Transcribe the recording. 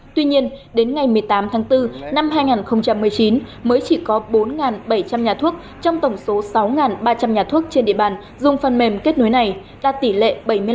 tuy nhiên đến ngày một mươi tám tháng bốn năm hai nghìn một mươi chín mới chỉ có bốn bảy trăm linh nhà thuốc trong tổng số sáu ba trăm linh nhà thuốc trên địa bàn dùng phần mềm kết nối này là tỷ lệ bảy mươi năm